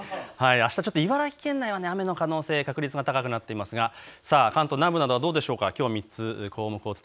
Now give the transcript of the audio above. あした茨城県内は雨の可能性、確率が高くなっていますが関東南部などはどうでしょうか。